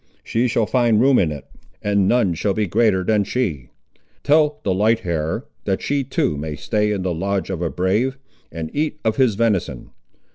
She shall find room in it, and none shall be greater than she. Tell the light hair, that she too may stay in the lodge of a brave, and eat of his venison.